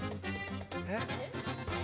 えっ？